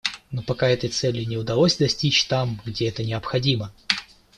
Но пока этой цели не удалось достичь там, где это необходимо.